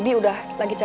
apa bangkit aja